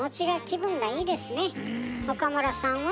岡村さんは？